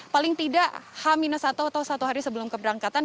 paling tidak h atau satu hari sebelum keberangkatan